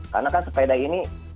karena kan sepeda ini